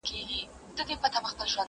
o ږيره ئې لو کړه، بلا ئې پکښي للو کړه!